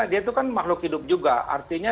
dia itu kan makhluk hidup juga artinya